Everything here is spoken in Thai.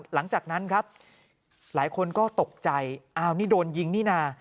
หลังจากนั้นครับหลายคนก็ตกใจอ้าวนี่โดนยิงนี่นะ